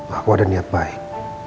aku ada niat baik